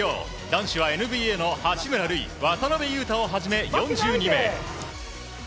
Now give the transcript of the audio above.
男子はＮＢＡの八村塁渡邊雄太をはじめ４２名。